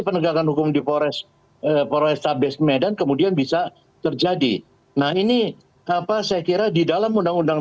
penegakan hukum di polres polrestabes medan kemudian bisa terjadi nah ini apa saya kira di dalam undang undang